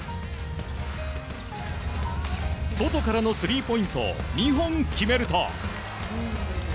外からのスリーポイントを２本決めると。